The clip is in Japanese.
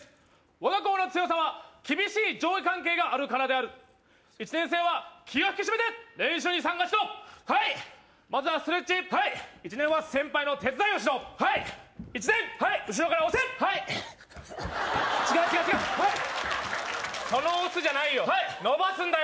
我が校の強さは厳しい上下関係があるからである１年生は気を引き締めて練習に参加しろはいまずはストレッチ１年は先輩の手伝いをしろはい１年後ろから押せはい違う違う違うその押すじゃないよ伸ばすんだよ